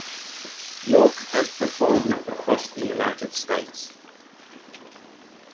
York has performed across the United States.